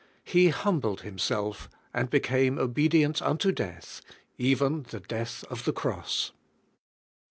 He humbled Himself and became obedient unto death ^ even the death of the cross.''